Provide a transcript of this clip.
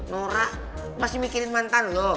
nora masih mikirin mantan loh